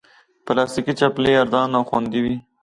پلاستيکي چپلی ارزانه او خوندې وي.